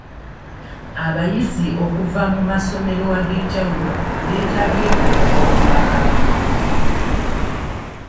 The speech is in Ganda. Abayizi okuva mu masomero ag’enjawulo beetabye ku mukolo gwa Kabaka.